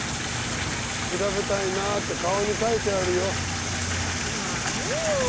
調べたいなって顔に書いてあるよ。何よ！